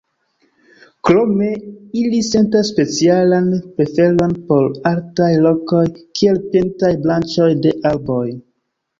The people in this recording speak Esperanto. Krome ili sentas specialan preferon por altaj lokoj, kiel pintaj branĉoj de arboj.